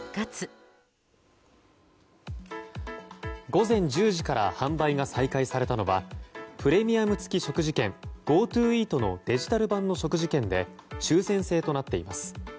午前１０時から販売が再開されたのはプレミアム付食事券ＧｏＴｏイートのデジタル版の食事券で抽選制となっています。